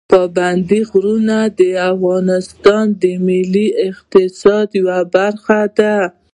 پابندي غرونه د افغانستان د ملي اقتصاد یوه برخه ده.